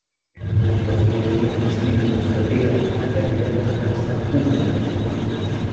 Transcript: Los ingredientes líquidos se agregan hasta crear una masa húmeda.